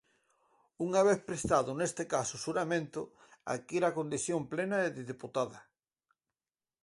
Unha vez prestado, neste caso, xuramento, adquire a condición plena de deputada.